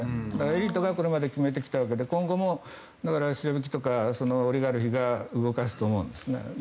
エリートがこれまで決めてきたわけで今後もシロビキとかオリガルヒが動かすと思うんです。